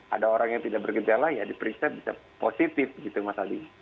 ada orang yang tidak bergejala ya diperiksa bisa positif gitu mas aldi